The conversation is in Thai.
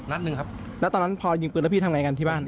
นัดหนึ่งครับแล้วตอนนั้นพอยิงปืนแล้วพี่ทำไงกันที่บ้าน